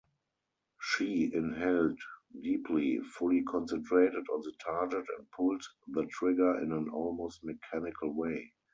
She inhaled deeply, fully concentrated on the target and pulled the trigger in an almost mechanical way.